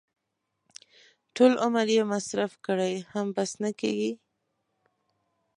ټول عمر یې مصرف کړي هم بس نه کېږي.